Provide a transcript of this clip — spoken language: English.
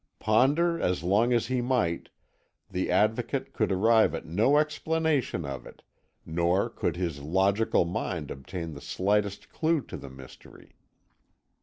Ponder as long as he might, the Advocate could arrive at no explanation of it, nor could his logical mind obtain the slightest clue to the mystery.